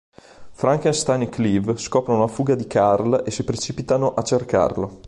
Frankenstein e Kleve scoprono la fuga di Karl e si precipitano a cercarlo.